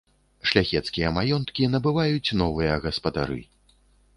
Шляхецкія маёнткі набываюць новыя гаспадары.